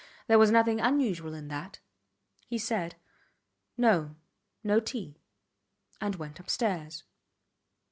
There was nothing unusual in that. He said, No; no tea, and went upstairs.